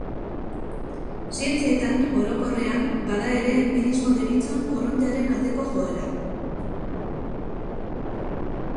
Zientzietan, orokorrean, bada ere enpirismo deritzon korrontearen aldeko joera.